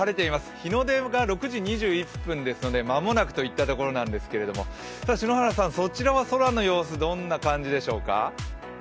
日の出が６時２１分ですので、間もなくといったところなんですけれども、ただ篠原さん、そちらは空の様子どんな感じでしょうか。